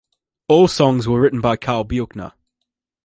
All songs written by Karl Buechner.